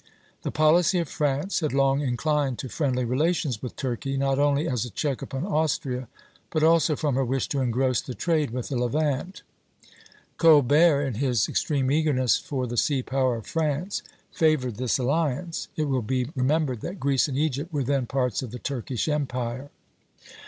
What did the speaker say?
The policy of France had long inclined to friendly relations with Turkey, not only as a check upon Austria, but also from her wish to engross the trade with the Levant. Colbert, in his extreme eagerness for the sea power of France, favored this alliance. It will be remembered that Greece and Egypt were then parts of the Turkish Empire.